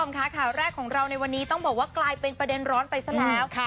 ค่ะข่าวแรกของเราในวันนี้ต้องบอกว่ากลายเป็นประเด็นร้อนไปซะแล้ว